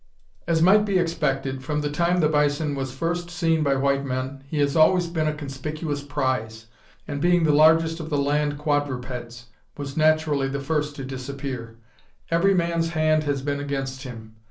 As might be expected, from the time the bison was first seen by white men he has always been a conspicuous prize, and being the largest of the land quadrupeds, was naturally the first to disappear. Every man's hand has been against him.